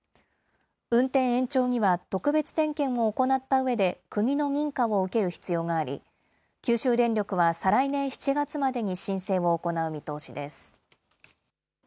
運転延長には特別点検を行ったうえで、国の認可を受ける必要があり、九州電力は再来年７月までに申請を行う見通しです。